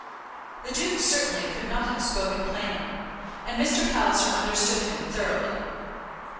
The duke certainly could not have spoken plainer, and Mr. Palliser understood him thoroughly.